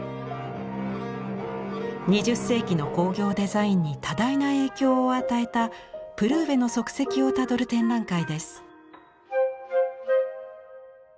２０世紀の工業デザインに多大な影響を与えたプルーヴェの足跡をたどる展覧会です。